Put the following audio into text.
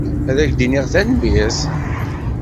Ad ak-iniɣ tanemmirt.